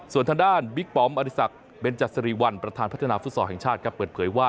ส่วนทางด้านบิ๊กปอมอริสักเบนจสรีวัลประธานพัฒนาฟุตซอลแห่งชาติครับเปิดเผยว่า